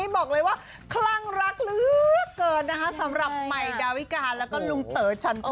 อ๋อเบรกเรื่องความรักก่อน